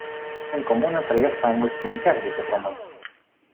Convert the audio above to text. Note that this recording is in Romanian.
În comună trăiesc mai mulți maghiari decât români.